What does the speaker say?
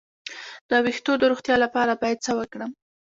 د ویښتو د روغتیا لپاره باید څه وکړم؟